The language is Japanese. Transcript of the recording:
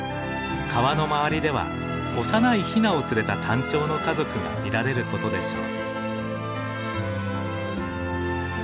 川の周りでは幼いヒナを連れたタンチョウの家族が見られることでしょう。